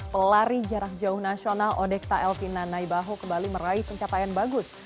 pelari jarak jauh nasional odekta elvina naibaho kembali meraih pencapaian bagus